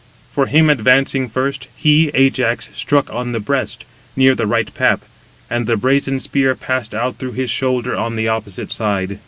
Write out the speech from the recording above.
For him advancing first, he [Ajax] struck on the breast, near the right pap: and the brazen spear passed out through his shoulder on the opposite side.